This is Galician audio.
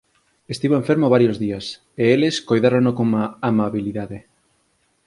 Estivo enfermo varios días, e eles coidárono con amabilidade.